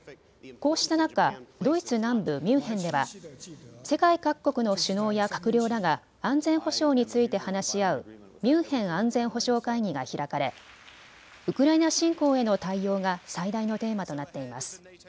こうした中、ドイツ南部ミュンヘンでは世界各国の首脳や閣僚らが安全保障について話し合うミュンヘン安全保障会議が開かれウクライナ侵攻への対応が最大のテーマとなっています。